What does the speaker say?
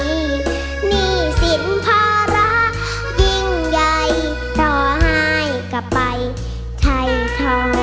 หนี้สินภาระยิ่งใหญ่ต่อให้กลับไปไทยทอ